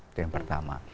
itu yang pertama